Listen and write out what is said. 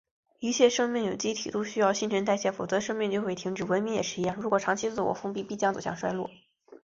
一切生命有机体都需要新陈代谢，否则生命就会停止。文明也是一样，如果长期自我封闭，必将走向衰落。